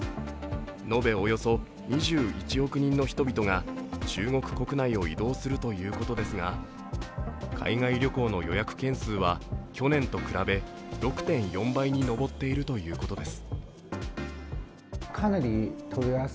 延べおよそ２１億人の人々が中国国内を移動するということですが、海外旅行の予約件数は去年と比べ６．４倍に上っているということです